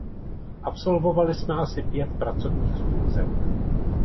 Absolvovali jsme asi pět pracovních schůzek.